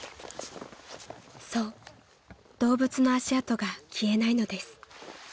［そう動物の足跡が消えないのです］